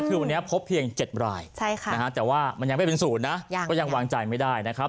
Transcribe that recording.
คือวันนี้พบเพียง๗รายแต่ว่ามันยังไม่เป็นศูนย์นะก็ยังวางใจไม่ได้นะครับ